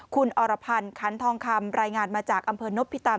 คุณอรพันธ์ขันทองคำรายงานมาจากอำเภอนพิตำ